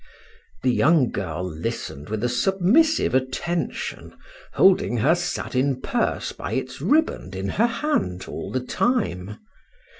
The young girl listened with a submissive attention, holding her satin purse by its riband in her hand all the time.